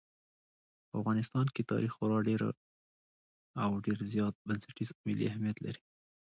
په افغانستان کې تاریخ خورا ډېر او ډېر زیات بنسټیز او ملي اهمیت لري.